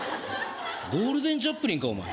ゴールデンチャップリンかお前